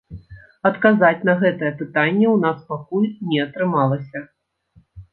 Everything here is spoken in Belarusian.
Адказаць на гэтае пытанне ў нас пакуль не атрымалася.